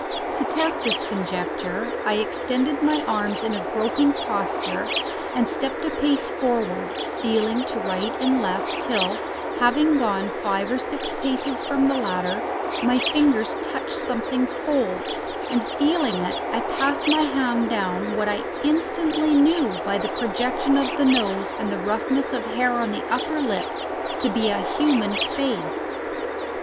To test this conjecture I extended my arms in a groping posture and stepped a pace forward, feeling to right and left, till, having gone five or six paces from the ladder, my fingers touched something cold, and feeling it, I passed my hand down what I instantly knew by the projection of the nose and the roughness of hair on the upper lip to be a human face!